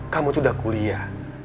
kamu tuh udah kuliah